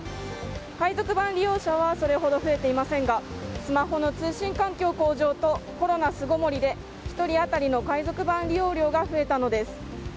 海賊版利用者はそれほど増えていませんがスマホの通信環境向上とコロナ巣ごもりで１人当たりの海賊版利用量が増えたのです。